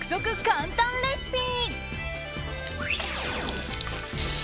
簡単レシピ！